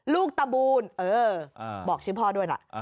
ตะบูลเออบอกชื่อพ่อด้วยล่ะ